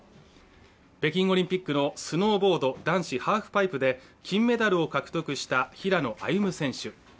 北京オリンピックのスノーボード男子ハーフパイプで金メダルを獲得した平野歩夢選手